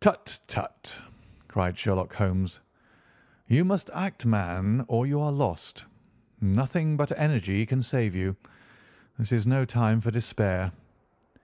"Tut! tut!" cried Sherlock Holmes. "You must act, man, or you are lost. Nothing but energy can save you. This is no time for despair."